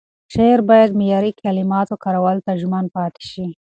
شاعر باید معیاري کلماتو کارولو ته ژمن پاتې شي.